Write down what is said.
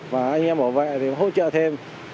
và anh em bảo vệ thì hỗ trợ thêm